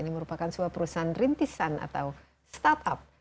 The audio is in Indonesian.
ini merupakan sebuah perusahaan rintisan atau startup